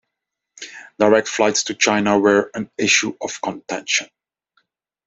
Direct flights to China were an issue of contention.